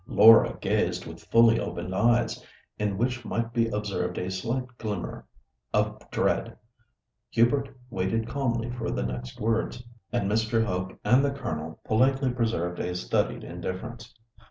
Laura gazed with fully opened eyes, in which might be observed a slight glimmer of dread; Hubert waited calmly for the next words, and Mr. Hope and the Colonel politely preserved a studied indifference.